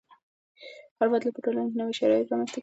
هر بدلون په ټولنه کې نوي شرایط رامنځته کوي.